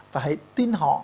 và hãy tin họ